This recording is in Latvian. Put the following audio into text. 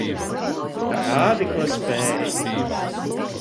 Rādi, ko spēj.